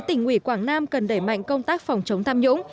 tỉnh ủy quảng nam cần đẩy mạnh công tác phòng chống tham nhũng